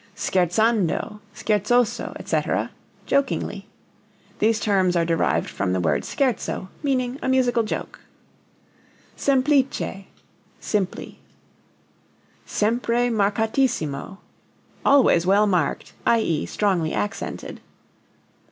Scherzando, scherzoso, etc. jokingly. These terms are derived from the word scherzo meaning a musical joke. Semplice simply. Sempre marcatissimo always well marked, i.e., strongly accented.